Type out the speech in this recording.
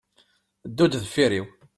Ddu-d deffr-iw.